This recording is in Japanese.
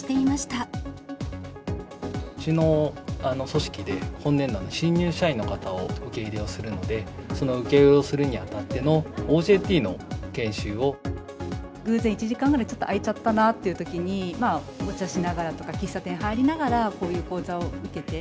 うちの組織で、今年度、新入社員の方を受け入れをするので、その受け入れをするにあたっ偶然、１時間ぐらいちょっと空いちゃったなというときに、お茶しながらとか、喫茶店入りながら、こういう講座を受けて。